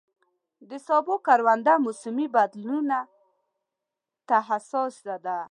د سبو کرونده موسمي بدلونونو ته حساسه ده.